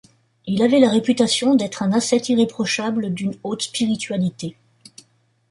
Il avait la réputation d'être un ascète irréprochable d'une haute spiritualité.